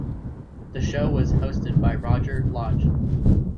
The show was hosted by Roger Lodge.